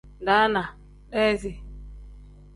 Daana pl: deezi n.